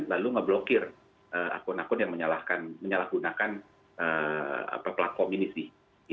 lalu ngeblokir akun akun yang menyalahgunakan platform ini sih